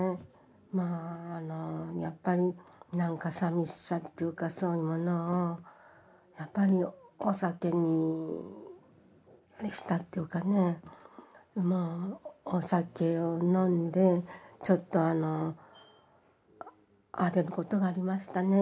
まあやっぱりなんかさみしさっていうかそういうものをやっぱりお酒にあれしたっていうかねお酒を飲んでちょっとあの荒れることがありましたね。